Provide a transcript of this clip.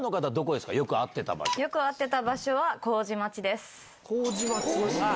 よく会ってた場所は麹町です。